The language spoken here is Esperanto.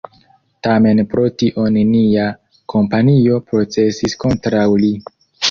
Tamen pro tio nenia kompanio procesis kontraŭ li.